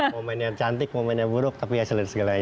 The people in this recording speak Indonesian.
mau mainnya cantik mau mainnya buruk tapi hasil adalah segalanya